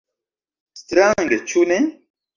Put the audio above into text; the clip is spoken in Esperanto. Strange, ĉu ne?